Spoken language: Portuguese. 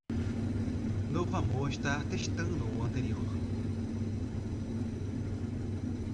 Novo amor está testando o anterior.